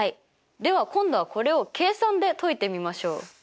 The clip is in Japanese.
では今度はこれを計算で解いてみましょう。